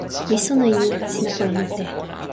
mi sona e ni: sina pona mute.